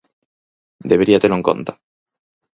Debería telo en conta.